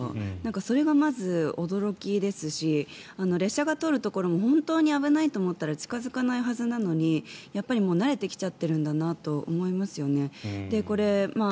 それがまず、驚きですし列車が通るところも本当に危ないと思ったら近付かないはずなのに慣れてきちゃってるんだなと思いますね。